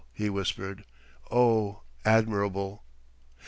he whispered. "Oh, admirable!"